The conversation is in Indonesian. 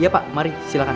iya pak mari silakan